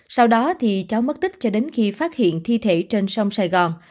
sau đó thì cháu mất tích cho đến khi phát hiện thi thể trên sông sài gòn